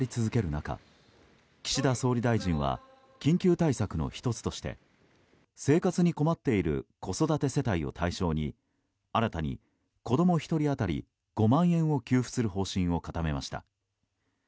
中岸田総理大臣は緊急対策の１つとして生活に困っている子育て世帯を対象に新たに子供１人当たり５万円を給付する方針を固めました。